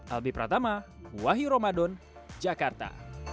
albi pratama wahyu ramadan jakarta